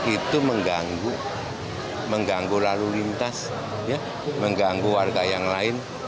itu mengganggu lalu lintas mengganggu warga yang lain